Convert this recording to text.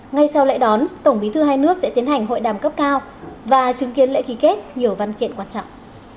ngay sau lễ đón tổng bí thư hai nước sẽ tiến hành hội đàm cấp cao và chứng kiến lễ ký kết nhiều văn kiện quan trọng